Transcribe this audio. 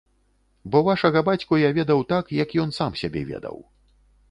Бо вашага бацьку я ведаў так, як ён сам сябе ведаў.